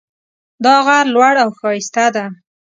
دا غر لوړ او ښایسته ده